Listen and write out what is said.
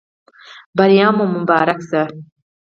بریا مو مبارک شه